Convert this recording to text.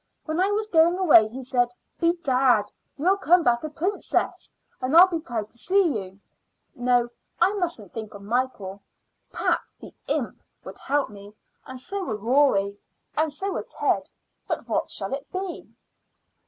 When I was going away he said, 'Bedad, you'll come back a princess, and I'll be proud to see you.' No, I mustn't think of Michael. Pat, the imp, would help me, and so would Rory, and so would Ted. But what shall it be?"